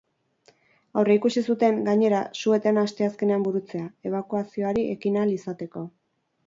Aurreikusi zuten, gainera, su-etena asteazkenean burutzea, ebakuazioari ekin ahal izateko.